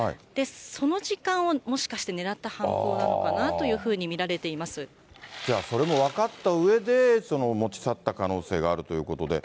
その時間をもしかして狙った犯行なのかなというふうに見られていじゃあ、それも分かったうえで持ち去った可能性があるということで。